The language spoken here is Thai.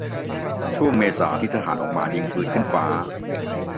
ช่วงเมษาที่ทหารออกมา 'ยิงปืนขึ้นฟ้า'